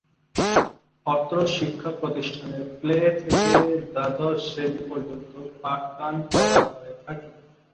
অত্র শিক্ষা প্রতিষ্ঠানে প্লে থেকে দ্বাদশ শ্রেণি পর্যন্ত পাঠদান করা হয়ে থাকে।